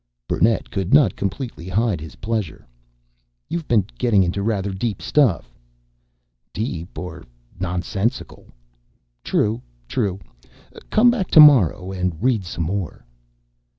Burnett could not completely hide his pleasure. "You've been getting into rather deep stuff." "Deep or nonsensical!" "True. True. Come back tomorrow and read some more."